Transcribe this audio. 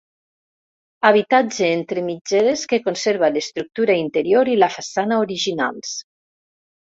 Habitatge entre mitgeres que conserva l'estructura interior i la façana originals.